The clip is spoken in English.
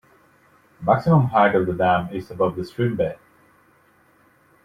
Maximum height of the dam is above the stream bed.